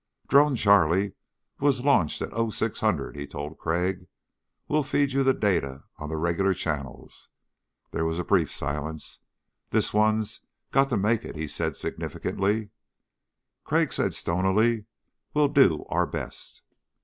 "Drone Charlie was launched at 0600," he told Crag. "We'll feed you the data on the regular channels." There was a brief silence. "This one's got to make it," he added significantly. Crag said stonily: "We'll do our best."